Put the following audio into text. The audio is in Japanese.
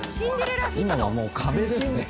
今はもう壁ですね。